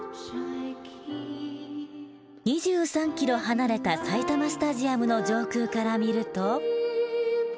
２３ｋｍ離れた埼玉スタジアムの上空から見ると。